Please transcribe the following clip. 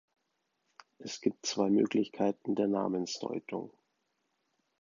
Es gibt zwei Möglichkeiten der Namensdeutung.